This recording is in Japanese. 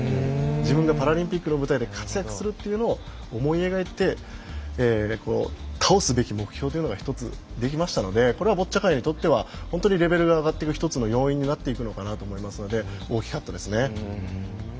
自分がパラリンピックの舞台で活躍するというのを思い描いて倒すべき目標というのが一つできましたのでこれはボッチャ界にとってはレベルが上がっていく一つの要因になるかと思いますので大きいです。